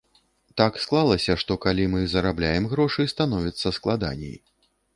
Так склалася, што, калі мы зарабляем грошы, становіцца складаней.